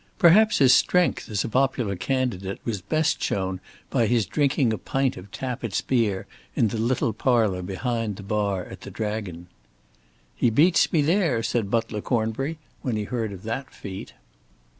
Perhaps his strength as a popular candidate was best shown by his drinking a pint of Tappitt's beer in the little parlour behind the bar at the Dragon. "He beats me there," said Butler Cornbury, when he heard of that feat.